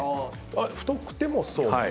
太くてもそうめん？